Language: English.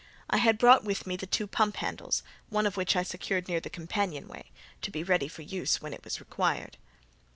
I had brought with me the two pump handles, one of which I secured near the companion way, to be ready for use when required.